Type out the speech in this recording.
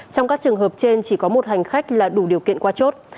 trong các trường hợp trên chỉ có một hành khách là đủ điều kiện qua chốt